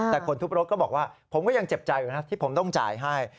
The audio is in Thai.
แต่คนทุบรถก็บอกว่าผมก็ยังเจ็บใจอยู่นะที่ผมต้องจ่ายให้